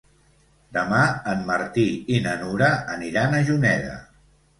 Demà en Martí i na Nura aniran a Juneda.